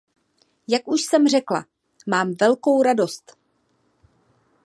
Jak už jsem řekla, mám velkou radost.